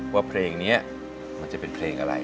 ว่าเพลงนี้มันจะเป็นเพลงอะไร